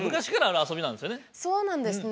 そうなんですね。